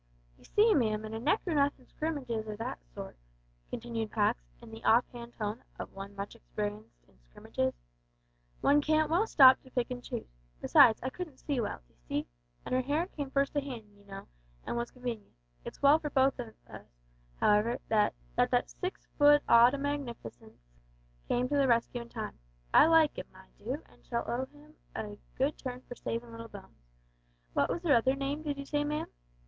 "You see, ma'am, in neck or nothin' scrimmages o' that sort," continued Pax, in the off hand tone of one much experienced in such scrimmages, "one can't well stop to pick and choose; besides, I couldn't see well, d'ee see? an' her hair came first to hand, you know, an' was convenient. It's well for both on us, however, that that six foot odd o' magnificence came to the rescue in time. I like 'im, I do, an' shall owe 'im a good turn for savin' little Bones. What was her other name, did you say, ma'am?"